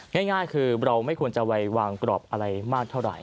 ง่ายคือเราไม่ควรจะไปวางกรอบอะไรมากเท่าไหร